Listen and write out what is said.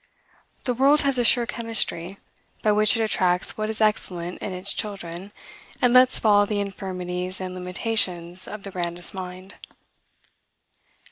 The world has a sure chemistry, by which it attracts what is excellent in its children, and lets fall the infirmities and limitations of the grandest mind.